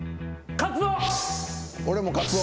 カツオ！